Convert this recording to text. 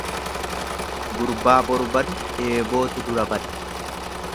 Gurbaa boru badu eebootu dura bada.